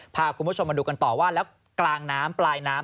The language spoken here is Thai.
พาคุณผู้ชมมาดูกันต่อว่าแล้วกลางน้ำปลายน้ำ